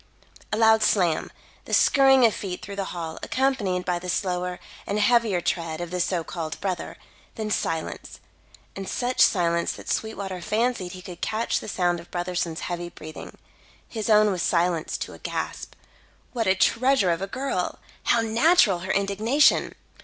A loud slam the skurrying of feet through the hall, accompanied by the slower and heavier tread of the so called brother, then silence, and such silence that Sweetwater fancied he could catch the sound of Brotherson's heavy breathing. His own was silenced to a gasp. What a treasure of a girl! How natural her indignation!